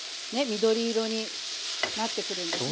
緑色になってくるんですね。